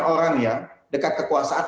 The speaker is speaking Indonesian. orang ya dekat kekuasaan